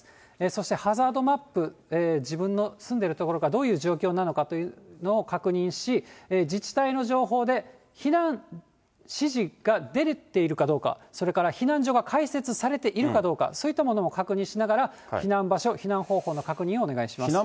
そしてハザードマップ、自分の住んでいる所がどういう状況なのかというのを確認し、自治体の情報で避難指示が出ているかどうか、それから避難所が開設されているかどうか、そういったものも確認しながら、避難場所、避難方法の確認をお願いします。